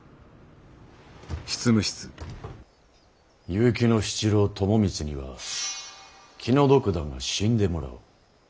結城七郎朝光には気の毒だが死んでもらおう。